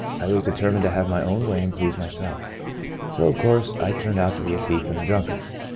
I was deter mined to have my own way and please my self, so, of course, I turned out to be a thief and a drunkard.